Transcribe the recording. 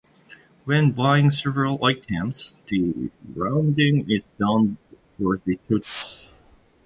When buying several items, the rounding is done for the total sum.